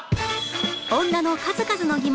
女の数々の疑問